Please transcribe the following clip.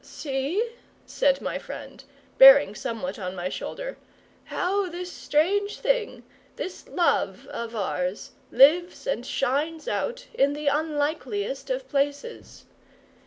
"See," said my friend, bearing somewhat on my shoulder, "how this strange thing, this love of ours, lives and shines out in the unlikeliest of places!